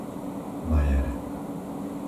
Majere